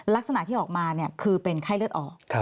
ลักษณะที่ออกมาคือเป็นไข้เลือดออก